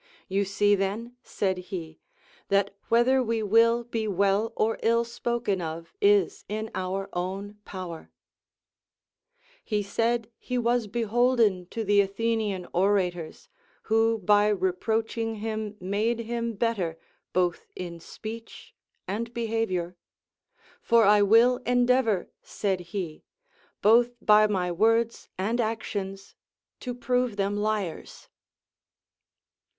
You see then, said he, that whether we will be well or ill spoken of is in our own power, lie said he was beholden to the Athenian orators, who by reproaching him made him better both in speech and behavior ; for I will endeavor, said he, both by my words and actions to prove them liars.